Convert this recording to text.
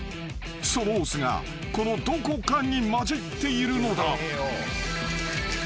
［そのお酢がこのどこかに交じっているのだ］